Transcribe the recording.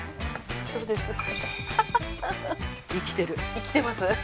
生きてます？